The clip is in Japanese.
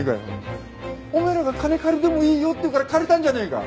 お前らが金借りてもいいよっていうから借りたんじゃねえか。